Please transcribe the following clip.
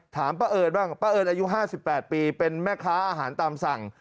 ถามป้าเอิญบ้างป้าเอิญอายุ๕๘ปีเป็นแม่ค้าอาหารตามสั่ง